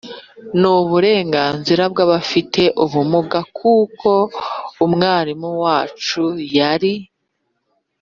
n'uburenganzira bw'abafite ubumuga kuko umwarimu wacu yari